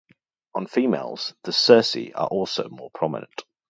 On females, the cerci are also more prominent.